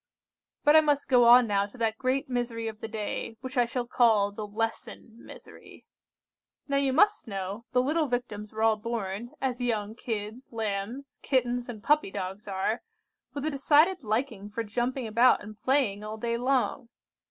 "But I must go on now to that great misery of the day, which I shall call the lesson misery. "Now you must know, the little Victims were all born, as young kids, lambs, kittens, and puppy dogs are, with a decided liking for jumping about and playing all day long.